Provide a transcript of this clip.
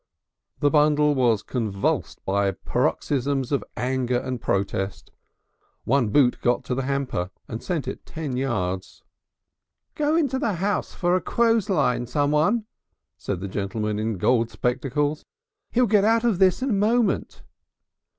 The bundle was convulsed by paroxysms of anger and protest. One boot got the hamper and sent it ten yards. "Go in the house for a clothes line someone!" said the gentleman in gold spectacles. "He'll get out of this in a moment."